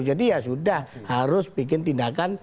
jadi ya sudah harus bikin tindakan